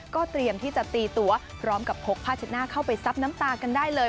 เตรียมที่จะตีตัวพร้อมกับพกผ้าเช็ดหน้าเข้าไปซับน้ำตากันได้เลย